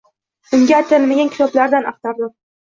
Unga atalmagan kitoblardan axtardim